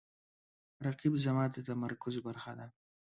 رقیب زما د تمرکز برخه ده